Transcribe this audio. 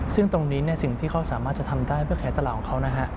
ซึ่งตรงนี้สิ่งที่เขาสามารถจะทำได้เพื่อขายตลาดของเขานะฮะ